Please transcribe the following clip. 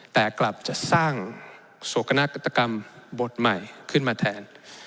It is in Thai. แต่กลับจะสร้างโศกนากฏกรรมบทใหม่ขึ้นมาแทน